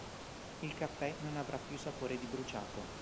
Il caffè non avrà più sapore di bruciato.